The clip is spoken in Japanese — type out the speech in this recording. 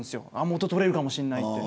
元が取れるかもしれないって。